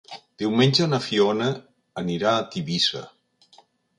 Diumenge na Fiona anirà a Tivissa.